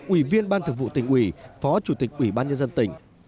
ủy viên ban thực vụ tỉnh ủy phó chủ tịch ủy ban nhân dân tỉnh